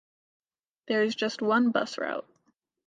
There is just one bus route.